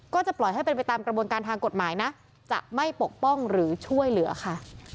ก็จะปล่อยให้เป็นไปตามกระบวนการทางกฎหมายนะจะไม่ปกป้องหรือช่วยเหลือค่ะ